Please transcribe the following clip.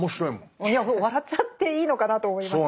いや笑っちゃっていいのかなと思いました。